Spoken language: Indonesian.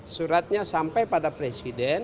suratnya sampai pada presiden